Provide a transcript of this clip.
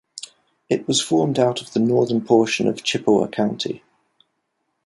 It was formed out of the northern portion of Chippewa County.